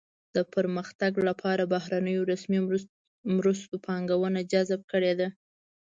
د پرمختګ لپاره بهرنیو رسمي مرستو پانګونه جذب کړې ده.